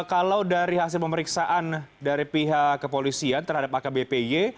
kalau dari hasil pemeriksaan dari pihak kepolisian terhadap akbpy